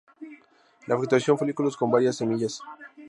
En la fructificación folículos con varias semillas.